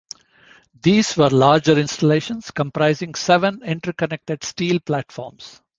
These were larger installations comprising seven interconnected steel platforms.